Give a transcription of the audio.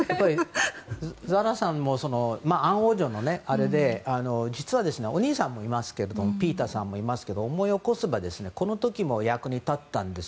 ザラさんもアン王女のあれで実はお兄さんもいますけどピーターさんもいますが思い起こせばこの時も役に立ったんです。